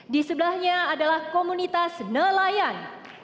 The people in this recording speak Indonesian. di sebelahnya adalah komunitas nelayan